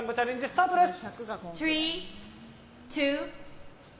スタートです！